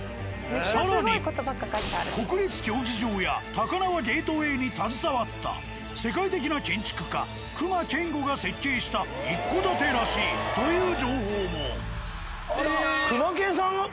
更に国立競技場や高輪ゲートウェイに携わった世界的な建築家隈研吾が設計した一戸建てらしいという情報も。